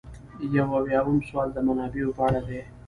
یو اویایم سوال د منابعو په اړه دی.